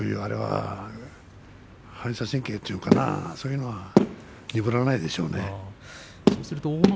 反射神経というのかなそういうのは鈍らないんでしょうね。